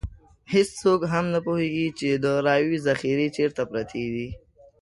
هېڅوک هم نه پوهېږي چې د رایو ذخیرې چېرته پرتې دي.